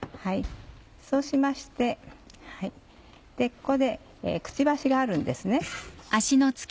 そうしましてここでくちばしがあるんです。